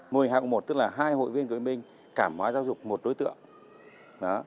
mô hình hạng một tức là hai hội viên tuyển binh cảm hóa giáo dục một đối tượng